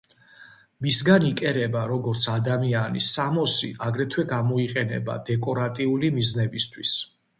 მისგან იკერება როგორც ადამიანის სამოსი, აგრეთვე გამოიყენება დეკორატიული მიზნებისთვის.